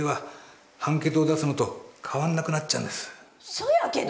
そやけど。